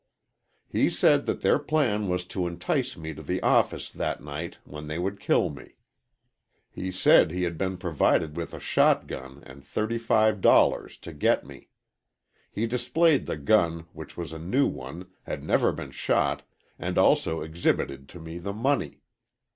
"He said that their plan was to entice me to the office that night when they would kill me. He said he had been provided with a shotgun and $35. to get me. He displayed the gun which was a new one, had never been shot, and also exhibited to me the money.